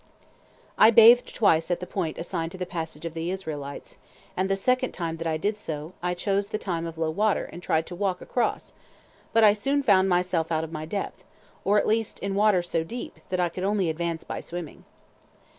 I bathed twice at the point assigned to the passage of the Israelites, and the second time that I did so I chose the time of low water and tried to walk across, but I soon found myself out of my depth, or at least in water so deep, that I could only advance by swimming.